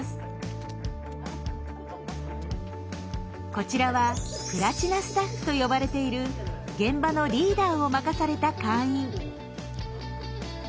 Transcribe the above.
こちらはプラチナスタッフと呼ばれている現場のリーダーを任された会員。